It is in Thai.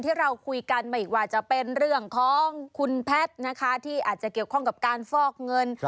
ที่อาจจะเกี่ยวข้องกับการฟอกเงิน